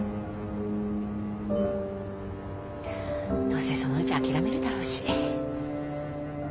どうせそのうち諦めるだろうし。